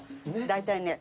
大体ね。